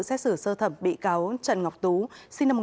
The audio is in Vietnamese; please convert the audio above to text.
xét xử sơ thẩm bị cáo trần ngọc tú sinh năm một nghìn chín trăm tám mươi